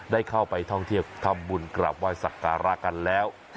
ได้เข้าไปท่องเที่ยวทำบุญกลับไหว้สักการะกันแล้ว